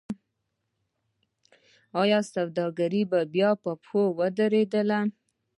آیا سوداګر بیا په پښو ودرېدل؟